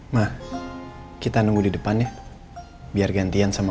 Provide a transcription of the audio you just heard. ma kita nunggu di depan ya biar gantian sama oma